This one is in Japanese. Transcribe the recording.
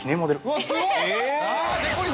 ◆うわっ、すごい！